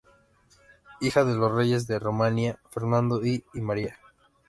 Hija de los reyes de Rumanía, Fernando I y María.